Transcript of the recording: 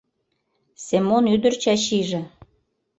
Семон ӱдыр Чачийже